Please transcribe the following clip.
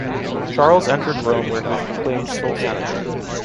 Charles entered Rome where he was proclaimed sole senator.